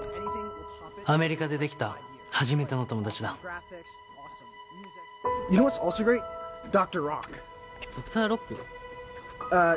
アメリカでできた初めての友達だドクター・ロック？